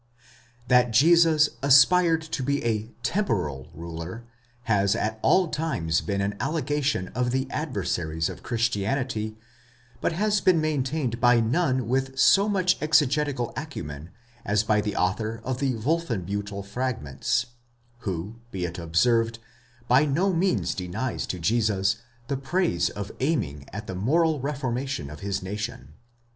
That Jesus aspired to be a temporal ruler, has at all times been an allega tion of the adversaries of Christianity, but has been maintained by none with so much exegetical acumen as by the author of the Wolfenbiittel Fragments,} who, be it observed, by no means denies to Jesus the praise of aiming at the moral reformation of his nation.